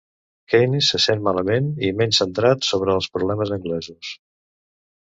Keynes se sent malament i menys centrat sobre els problemes anglesos.